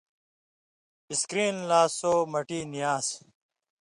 اِسکِرین لا سو مٹی نی آن٘سیۡ،